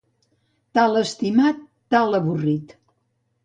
Tal estimat, tal avorrit.